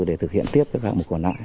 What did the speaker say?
để thực hiện tiếp các hạng mục quản nại